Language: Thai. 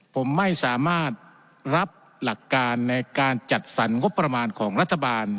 ผมไม่สามารถรับหลักการในการจัดสรรงบประมาณของรัฐบาล